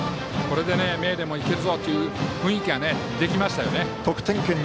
これで名電もいけるぞという雰囲気ができました。